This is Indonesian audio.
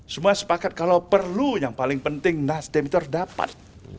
semua sepakat kalau perlu yang paling penting nasdem itu harus dapat